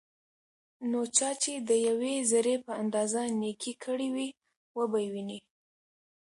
نو چا چې دیوې ذرې په اندازه نيکي کړي وي، وبه يې ويني